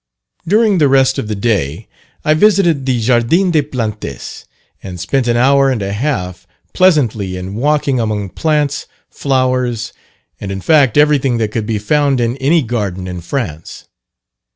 During the rest of the day I visited the Jardin des Plantes, and spent an hour and a half pleasantly in walking among plants, flowers, and in fact everything that could be found in any garden in France.